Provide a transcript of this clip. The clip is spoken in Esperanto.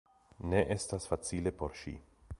Ne estas facile por ŝi.